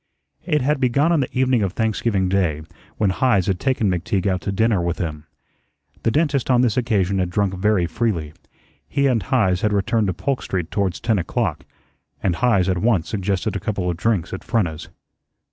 It had begun on the evening of Thanksgiving Day, when Heise had taken McTeague out to dinner with him. The dentist on this occasion had drunk very freely. He and Heise had returned to Polk Street towards ten o'clock, and Heise at once suggested a couple of drinks at Frenna's.